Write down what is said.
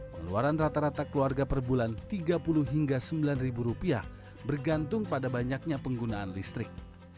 keluaran rata rata keluarga perbulan rp tiga puluh hingga rp sembilan bergantung pada banyaknya penggunaan listrik